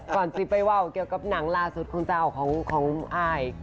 ก่อนจิ๊บไปว่าวเกี่ยวกับหนังล่าสุดของเจ้าของอาย